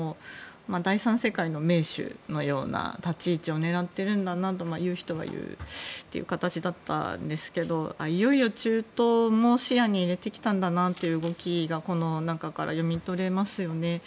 第三世界の盟主のような立ち位置を狙っているんだなと言う人は言うという形だったんですがいよいよ中東も視野に入れてきたんだなという動きがこの中から読み取れますよね。